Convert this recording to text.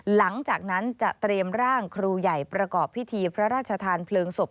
หลังจากนั้นจะเตรียมร่างครูใหญ่ประกอบพิธีพระราชทานเพลิงศพ